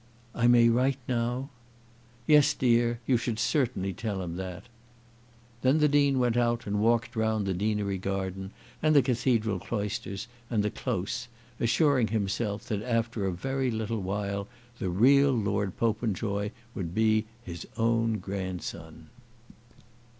"I may write now." "Yes, dear, you should certainly tell him that." Then the Dean went out and walked round the deanery garden, and the cathedral cloisters, and the close, assuring himself that after a very little while the real Lord Popenjoy would be his own grandson.